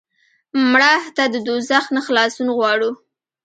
مړه ته د دوزخ نه خلاصون غواړو